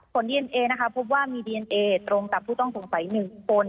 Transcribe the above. ผลดีเอ็นเอพบว่ามีดีเอตรงต่อผู้ต้องสงสัย๑คน